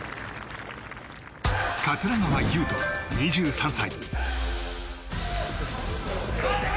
桂川有人、２３歳。